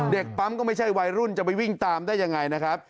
เด็กปั๊มก็ไม่ใช่วัยรุ่นจะไปวิ่งตามได้ยังไงนะครับ